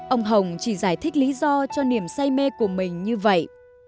ông hồng chỉ giải thích lý do cho niềm say mê của mình như vậy